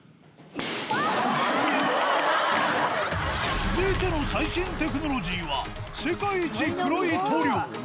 続いての最新テクノロジーは、世界一黒い塗料。